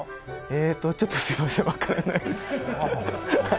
えーっとちょっとすいませんわからないです。